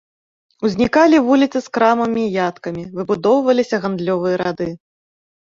Узнікалі вуліцы з крамамі і яткамі, выбудоўваліся гандлёвыя рады.